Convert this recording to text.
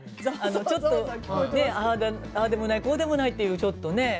ちょっとねあでもないこでもないっていうちょっとね。